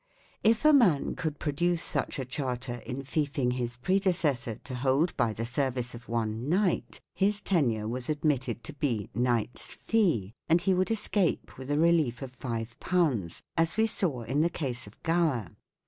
If a man could produce such a charter enfeoffing his pre decessor to hold by the service of one knight, his tenure was admitted to be " knight's fee/' and he would escape with a relief of 5, as we saw in the case of Gower.